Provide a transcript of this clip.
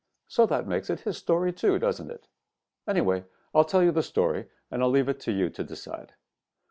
So that makes it his story too, doesn't it? Anyway, I'll tell you the story and leave it to you to decide.